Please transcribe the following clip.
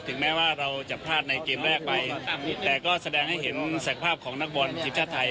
แม้ว่าเราจะพลาดในเกมแรกไปแต่ก็แสดงให้เห็นศักภาพของนักบอลทีมชาติไทย